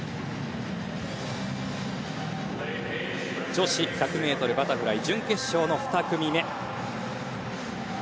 女子１００ｍバタフライ準決勝の２組目。